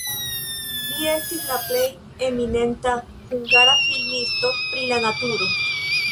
Li estis la plej eminenta hungara filmisto pri la naturo.